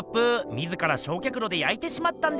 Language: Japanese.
自らしょうきゃくろで焼いてしまったんです。